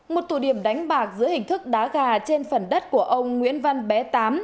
một tụ điểm đánh bạc giữa hình thức đá gà trên phần đất của ông nguyễn văn bé tám